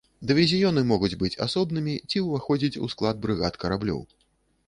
Дывізіёны могуць быць асобнымі ці ўваходзіць у склад брыгад караблёў.